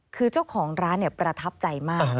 คือเจ้าของร้านประทับใจมาก